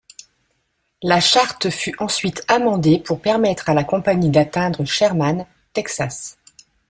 La charte fut ensuite amendée pour permettre à la compagnie d'atteindre Sherman, Texas.